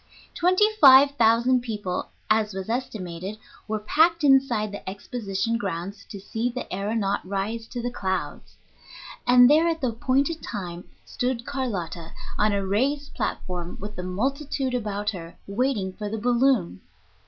Twenty five thousand people, as was estimated, were packed inside the Exposition grounds to see the aëronaut rise to the clouds. And there at the appointed time stood Carlotta on a raised platform, with the multitude about her, waiting for the balloon.